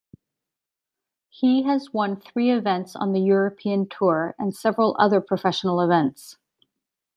He has won three events on the European Tour, and several other professional events.